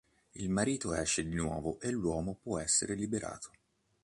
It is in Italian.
Il marito esce di nuovo e l'uomo può essere liberato.